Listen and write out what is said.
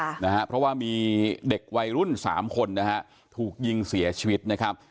ค่ะนะฮะเพราะว่ามีเด็กวัยรุ่นสามคนนะฮะถูกยิงเสียชีวิตนะครับ